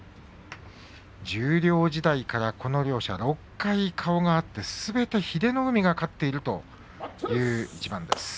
十両時代からこの両者６回顔が合ってすべて英乃海が勝っているという一番です。